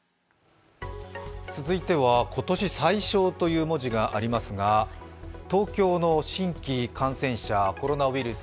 続いては、今年最少という文字がありますが、東京の新規感染者、コロナウイルス